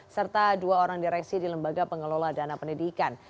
serta dua orang direksi di lembaga pengelola dana pendidikan